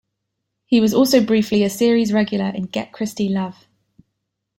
He was also briefly a series regular in Get Christie Love!